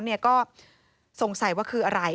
ก็สงสัยว่าคืออะไร